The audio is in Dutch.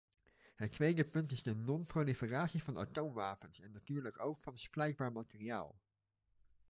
Het tweede punt is de non-proliferatie van atoomwapens en natuurlijk ook van splijtbaar materiaal.